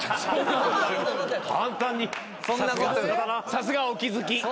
さすがお気付き。